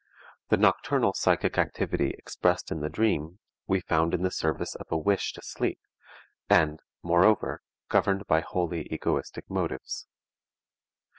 The nocturnal psychic activity expressed in the dream we found in the service of a wish to sleep and, moreover, governed by wholly egoistic motives.